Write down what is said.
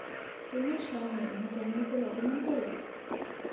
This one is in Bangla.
তোমার সামনে আমাকে এমনি করে অপমান করে?